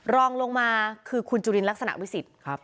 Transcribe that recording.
รองลงมาคือคุณจุลินลักษณะวิสิทธิ์